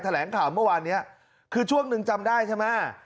แหลงข่าวเมื่อวานนี้คือช่วงหนึ่งจำได้ใช่ไหม